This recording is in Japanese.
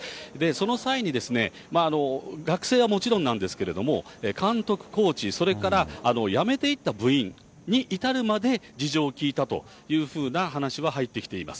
その際に、学生はもちろんなんですけれども、監督、コーチ、それから辞めていった部員に至るまで、事情を聞いたというふうな話は入ってきています。